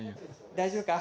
大丈夫か？